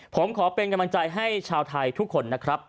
ผมขอเป็นกำลังใจให้ชาวไทยทุกคนนะครับ